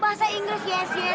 bahasa inggris yes yes